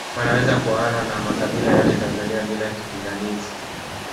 Wanaweza kuoana na makabila yote Tanzania bila kipingamizi